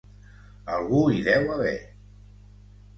Algú hi deu haver!